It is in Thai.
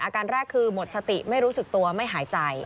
อาการแรกคือหมดสติไม่รู้สึกตัวไม่หายใจ